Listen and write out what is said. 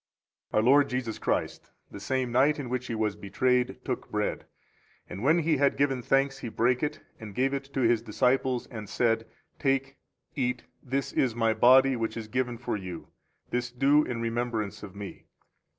23 Our Lord Jesus Christ, the same night in which He was betrayed, took bread; and when He had given thanks, He brake it, and gave it to His disciples and said, Take, eat; this is, My body, which is given for you: this do in remembrance of Me.